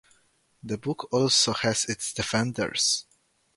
The book also has its defenders.